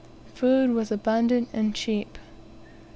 Food was abundant and cheap.